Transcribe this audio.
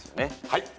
はい。